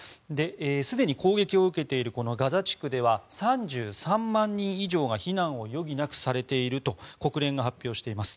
すでに攻撃を受けているこのガザ地区では３３万人以上が避難を余儀なくされていると国連が発表しています。